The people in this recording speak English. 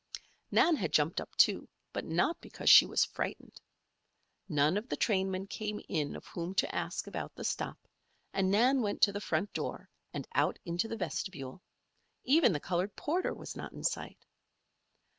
Nan had jumped up, too, but not because she was frightened. None of the trainmen came in of whom to ask about the stop and Nan went to the front door and out into the vestibule. Even the colored porter was not in sight.